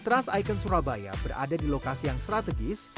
trans icon surabaya berada di lokasi yang strategis